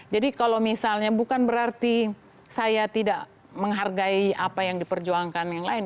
jadi kalau misalnya bukan berarti saya tidak menghargai apa yang diperjuangkan yang lain